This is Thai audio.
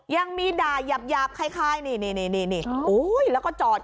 ยังมีด่ายาบยาบคล้ายคล้ายนี่นี่นี่นี่นี่โอ้โหแล้วก็จอด